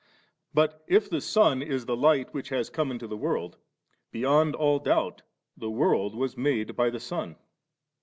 But if the Son is the Light, which has come into the world, beyond all dispute the world was made by the Son.